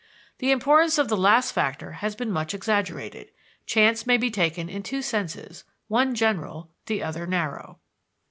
The importance of the last factor has been much exaggerated. Chance may be taken in two senses one general, the other narrow.